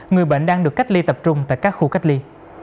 người bệnh đang được cách ly tập trung tại các khu cách ly